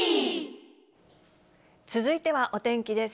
続いてはお天気です。